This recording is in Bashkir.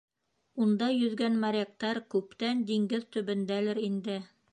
Унда йөҙгән моряктар күптән диңгеҙ төбөндәлер инде.